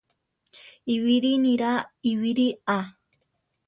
Ibiri niraa ibiri á.